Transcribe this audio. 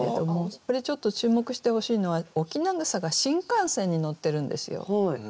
これちょっと注目してほしいのは翁草が新幹線に乗ってるんですよ。